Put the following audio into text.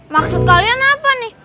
maksud kalian apa nih